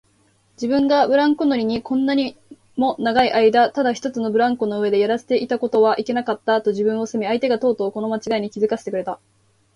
自分がブランコ乗りにこんなにも長いあいだただ一つのブランコの上でやらせていたことはいけなかった、と自分を責め、相手がとうとうこのまちがいに気づかせてくれた